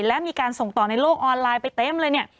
และมีการส่งต่อในโลกออนไลน์ไปเต็มเลยเนี่ย